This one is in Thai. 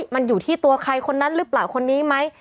มันอยู่ที่ตัวใครคนนั้นหรือเปล่าคนนี้ไหม